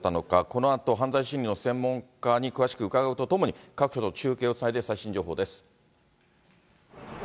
このあと犯罪心理の専門家に詳しく伺うとともに、各所と中継をつないで、最新情報です。